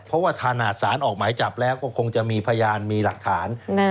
เพราะว่าถนัดสารออกหมายจับแล้วก็คงจะมีพยานมีหลักฐาน